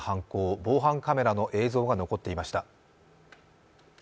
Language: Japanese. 防犯カメラの映像が残っていました。